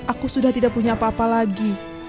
aku sudah tidak punya apa apa lagi